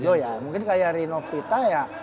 ya ya mungkin sets